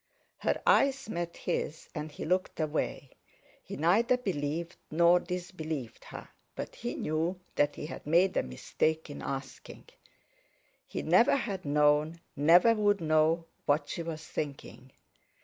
Her eyes met his, and he looked away. He neither believed nor disbelieved her, but he knew that he had made a mistake in asking; he never had known, never would know, what she was thinking.